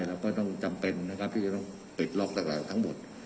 เราก็ต้องจำเป็นนะครับที่จะต้องปิดล็อกต่างทั้งหมด